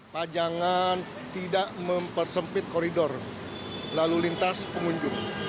pajangan tidak mempersempit koridor lalu lintas pengunjung